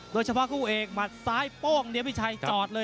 เฉพาะคู่เอกหมัดซ้ายโป้งเดียวพี่ชัยจอดเลย